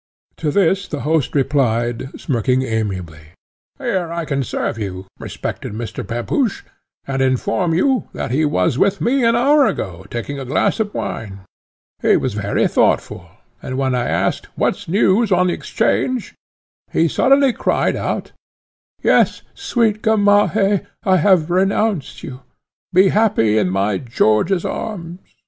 To this the host replied, smirking amiably, "Here I can serve you, respected Mr. Pepusch, and inform you, that he was with me an hour ago, taking a glass of wine. He was very thoughtful, and when I asked 'What news on 'Change?' he suddenly cried out, 'Yes, sweet Gamaheh! I have renounced you! Be happy in my George's arms!'